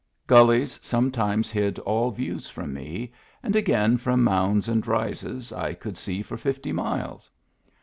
Gullies sometimes hid all views from me, and again from mounds and rises I could see for fifty miles.